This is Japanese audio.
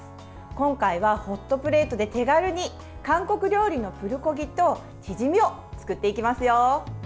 今回は、ホットプレートで手軽に韓国料理のプルコギとチヂミを作っていきますよ。